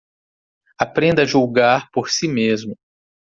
Aprenda a julgar por si mesmo